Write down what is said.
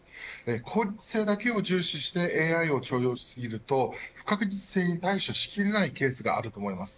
効率性だけを重視してＡＩを重用しすぎると不確実性に対処しきれないケースがあると思います。